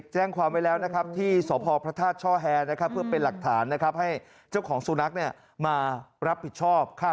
ทุกวันนี้ครับป๊าเจอสายหมาอายของเจ้าหน้า